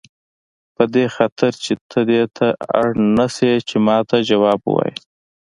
په دې خاطر چې ته دې ته اړ نه شې چې ماته ځواب ووایې.